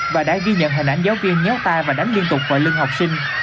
và đã ghi nhận hình ảnh giáo viên nhéo tai và đánh liên tục vào lưng học sinh